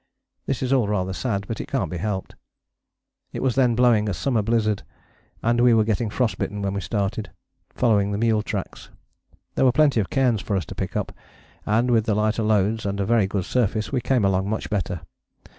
This is all rather sad, but it can't be helped. It was then blowing a summer blizzard, and we were getting frost bitten when we started, following the mule tracks. There were plenty of cairns for us to pick up, and with the lighter loads and a very good surface we came along much better.